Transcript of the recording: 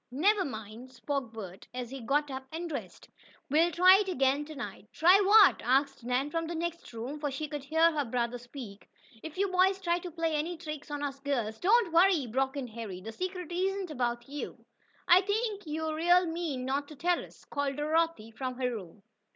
"Never mind," spoke Bert, as he got up and dressed. "We'll try it again to night." "Try what?" asked Nan from the next room, for she could hear her brother speak. "If you boys try to play any tricks on us girls " "Don't worry," broke in Harry. "The secret isn't about you." "I think you're real mean not to tell us!" called Dorothy, from her room.